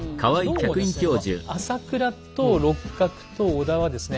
この朝倉と六角と織田はですね